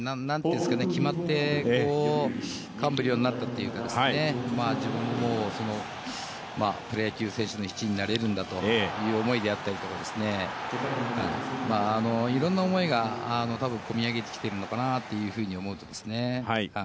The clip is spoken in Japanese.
決まって感無量になったといいますか自分もプロ野球選手の一員になれるんだという思いであったりとかいろんな思いが多分こみ上げてきているのかなというふうに思っていますね。